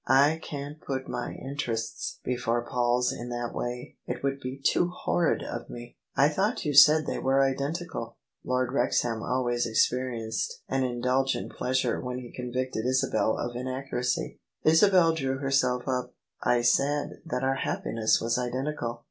"I can't put my interests before Paul's in that way: it would be too horrid of me !"" I thought you said they were identical." Lord Wrex ham always experienced an indulgent pleasure when he convicted Isabel of inaccuracy. Isabel drew herself up : "I said that our happiness was identical.